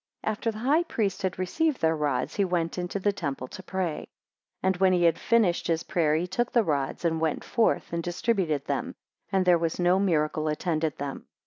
9 After the high priest had received their rods, he went into the temple to pray; 10 And when he had finished his prayer, he took the rods, and went forth and distributed them, and there was no miracle attended them.